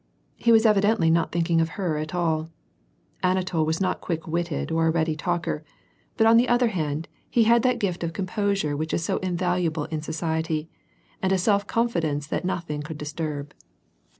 He was evidently not thinking of her at all. Anatol was not quick witted or a ready talker, but on the other hand, he hacl WAR AND PEACE, 267 that gift of composure which is so invaluable in society, and a self confidence that nothing could disturb.